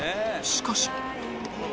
しかし